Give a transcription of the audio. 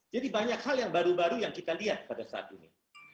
jadi banyak hal yang baru baru yang kita lihat pada saat ini